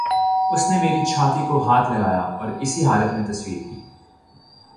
اس نے میری چھاتی کو ہاتھ لگایا اور اسی حالت میں تصویر لی